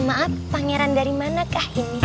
maaf pangeran dari manakah ini